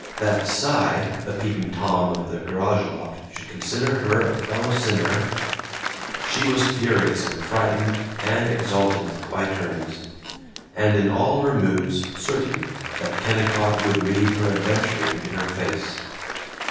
That Cy, the Peeping Tom of the garage loft, should consider her a fellow sinner She was furious and frightened and exultant by turns, and in all her moods certain that Kennicott would read her adventuring in her face.